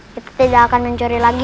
kita tidak akan mencuri lagi